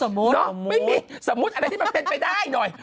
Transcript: ไม่มีสมมุติอะไรที่มันเป็นไปได้หน่อย